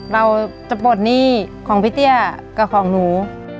เราจะปลดหนี้ของพี่เตี้ยกับของหนู